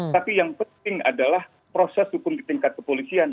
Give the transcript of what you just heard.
tapi yang penting adalah proses hukum di tingkat kepolisian